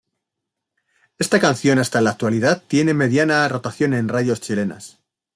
Esta canción hasta la actualidad tiene mediana rotación en radios chilenas.